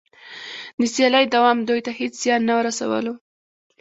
د سیالۍ دوام دوی ته هېڅ زیان نه رسولو